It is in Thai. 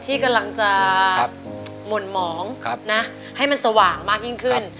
ที่กำลังจะหม่นหมองให้มันสว่างมากยิ่งขึ้น